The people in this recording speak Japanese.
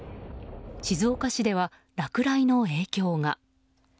静岡市では、落雷の影響が。